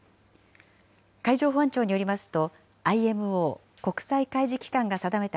海上保安庁によりますと、ＩＭＯ・国際海事機関が定めた